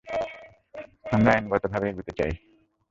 আমরা আইনগতভাবে এগোতে চাই।